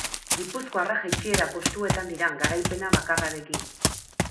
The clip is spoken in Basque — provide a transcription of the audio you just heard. Gipuzkoarrak jaitsiera postuetan dira, garaipena bakarrarekin.